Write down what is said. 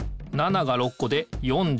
７が６こで４２。